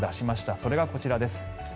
それがこちらです。